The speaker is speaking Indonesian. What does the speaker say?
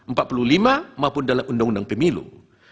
maupun dalam undang undangan pemilih